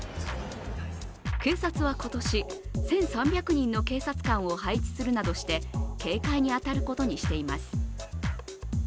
警察は今年、１３００人の警察官を配置するなどして警戒に当たることにしています。